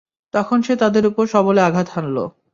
তখন সে তাদের উপর সবলে আঘাত হানল।